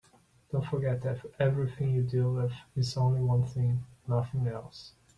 Don't forget that everything you deal with is only one thing and nothing else.